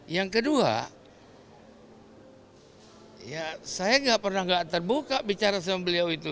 yang kedua ya saya nggak pernah nggak terbuka bicara sama beliau itu